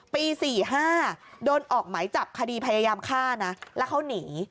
ปี๔๕โดนออกไหมจับคดีพยายามฆ่านะแล้วเขาหนี